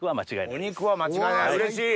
お肉は間違いないうれしい！